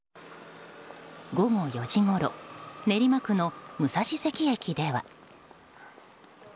午後４時ごろ練馬区の武蔵関駅では。